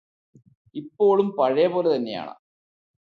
ഇപ്പോളും പഴയപോലെതന്നെയാണ്